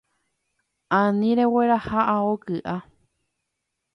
Ani regueraha ao ky’a.